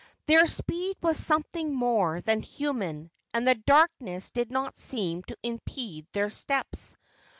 Their speed was something more than human, and the darkness did not seem to impede their steps.